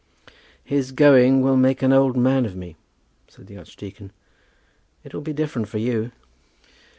"His going will make an old man of me," said the archdeacon. "It will be different with you."